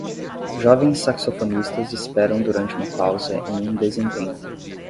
Jovens saxofonistas esperam durante uma pausa em um desempenho